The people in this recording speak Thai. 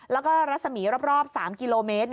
แล้วก็รัศมีรอบ๓กิโลเมตร